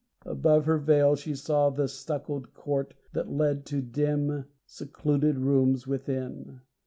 Above her veil she saw the stuccoed court That led to dim secluded rooms within.